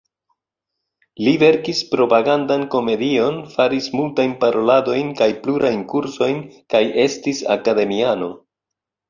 Li verkis propagandan komedion, faris multajn paroladojn kaj plurajn kursojn, kaj estis akademiano.